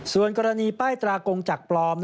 ส่วนกรณีป้ายตรากงจักรปลอม